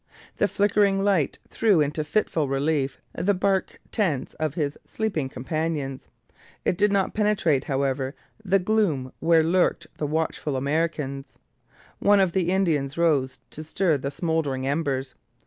The flickering light threw into fitful relief the bark tents of his sleeping companions. It did not penetrate, however, the gloom where lurked the watchful Americans. One of the Indians rose to stir the smouldering embers.